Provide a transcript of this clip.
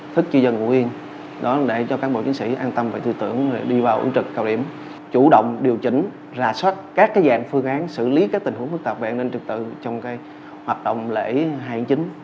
thức chi dân ngủ yên đó là để cho cán bộ chiến sĩ an tâm về tư tưởng đi vào ứng trực cao điểm chủ động điều chỉnh rà soát các dạng phương án xử lý các tình huống phức tạp về năng trực tượng trong hoạt động lễ hai tháng chín